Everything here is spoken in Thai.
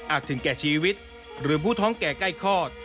ถึงแก่ชีวิตหรือผู้ท้องแก่ใกล้คลอด